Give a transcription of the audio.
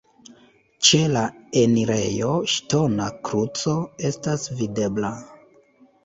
Ĉe la enirejo ŝtona kruco estas videbla.